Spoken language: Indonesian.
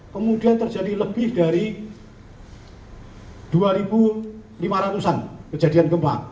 kemudian terjadi lebih dari dua lima ratus an kejadian gempa